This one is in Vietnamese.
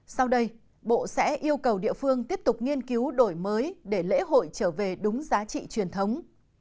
sau đây bộ sẽ yêu cầu địa phương tiếp tục nghiên cứu đổi mới để lễ hội trở về đúng giá trị truyền thống